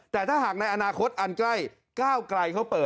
แต่ถ้าหากในอนาคตอันใกล้ก้าวไกลเขาเปิด